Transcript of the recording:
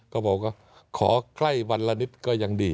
ก็บอกว่าขอใกล้วันละนิดก็ยังดี